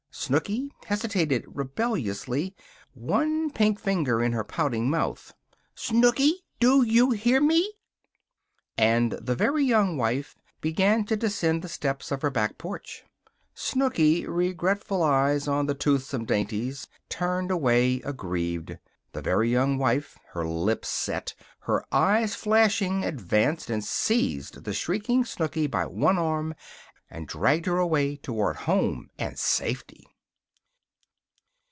Snooky hesitated rebelliously, one pink finger in her pouting mouth. "Snooky! Do you hear me?" And the Very Young Wife began to descend the steps of her back porch. Snooky, regretful eyes on the toothsome dainties, turned away aggrieved. The Very Young Wife, her lips set, her eyes flashing, advanced and seized the shrieking Snooky by one arm and dragged her away toward home and safety.